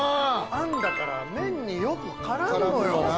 あんだから麺によく絡むのよ。